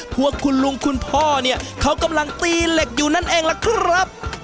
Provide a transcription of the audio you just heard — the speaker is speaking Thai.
พวกคุณลุงคุณพ่อเนี่ยเขากำลังตีเหล็กอยู่นั่นเองล่ะครับ